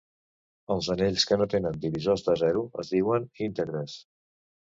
Els anells que no tenen divisors de zero es diuen íntegres.